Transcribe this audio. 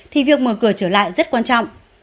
thì việc mở cửa trở lại rất quan trọng